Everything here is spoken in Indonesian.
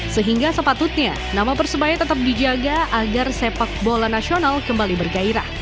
sehingga sepatutnya nama persebaya tetap dijaga agar sepak bola nasional kembali bergairah